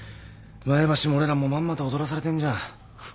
前橋も俺らもまんまと踊らされてんじゃん。